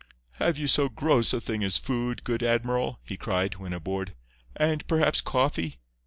"Have you so gross a thing as food, good admiral?" he cried, when aboard. "And, perhaps, coffee?